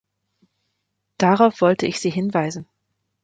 Darauf wollte ich Sie hinweisen.